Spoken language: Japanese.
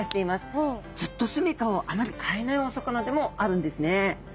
ずっとすみかをあまり変えないお魚でもあるんですね。